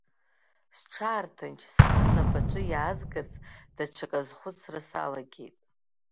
Сҽаарҭынч, схы снапаҿы иаазгарц, даҽакы азхәыцра салагеит.